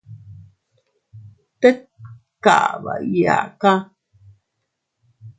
Tet kaba iyaaka.